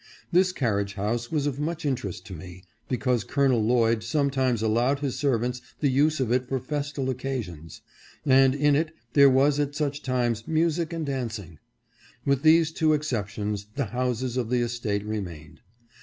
This carriage house was of much interest to me, because Col. Lloyd sometimes allowed his servants the use of it for festal occasions, and in it there was at such times music and dancing. With these two exceptions the houses of the estate remained.